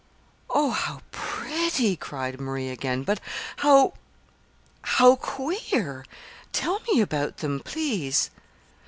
"Oh, how pretty," cried Marie again; "but how how queer! Tell me about them, please."